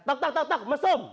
tak tak tak tak mesum